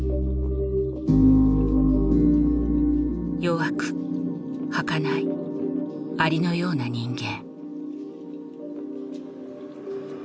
弱くはかない蟻のような人間。